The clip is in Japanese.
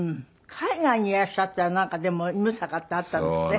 海外にいらっしゃったらなんかでも六平ってあったんですって？